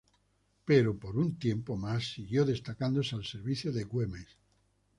Pero por un tiempo más siguió destacándose al servicio de Güemes.